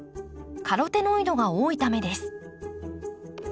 カロテノイドが多いためです。